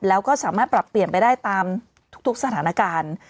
แล้วก็สามารถปรับเปลี่ยนไปได้ตามทุกสถานการณ์